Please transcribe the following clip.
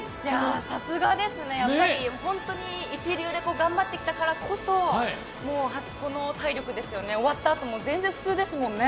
さすがですね、本当に一流で頑張ってきたからこそあそこの体力ですよね、終わったあと、もう全然普通ですもんね。